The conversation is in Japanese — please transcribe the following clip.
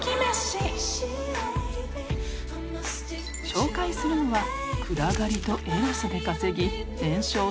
［紹介するのは暗がりとエロスで稼ぎ年商